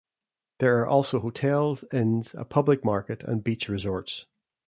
There are also hotels, inns, a public market and beach resorts.